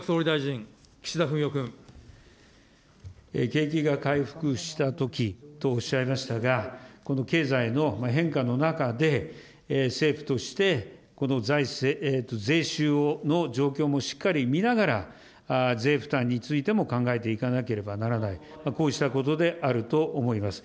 景気が回復したときとおっしゃいましたが、この経済の変化の中で、政府としてこの財政、税収の状況をしっかり見ながら、税負担についても考えていかなければならないこうしたことであると思います。